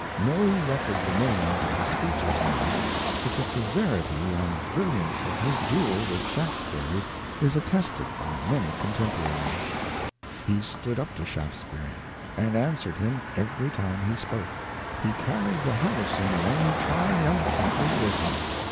No record remains of the speeches made ; but the severity and brilliancy of his duel with Shaftesbury is attested by n.any xiv INTRODUCTION. many contemporaries. He stood up to Shaftesbury, and answered him every time he spoke. He carried the House, in the end, triumphantly with him.